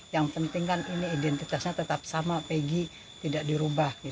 yang penting kan ini identitasnya tetap sama pegi tidak dirubah